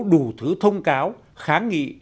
đủ thứ thông cáo kháng nghị